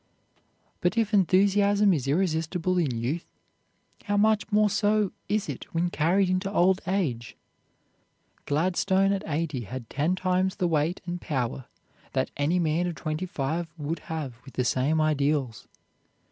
But if enthusiasm is irresistible in youth, how much more so is it when carried into old age! Gladstone at eighty had ten times the weight and power that any man of twenty five would have with the same ideals.